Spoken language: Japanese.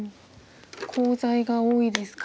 コウ材が多いですか。